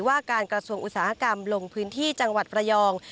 ว่าการกระทรวงอุตสาหกรรมลงพื้นที่จังหวัดประยอง